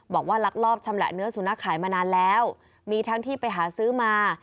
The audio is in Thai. บอกว่าล็อคลอบชำแหน้อสุนฯะขายมานานแล้วมีทั้งที่ไปหาซื้อมา